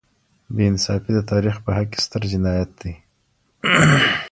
بې انصافي د تاریخ په حق کي ستر جنایت دی.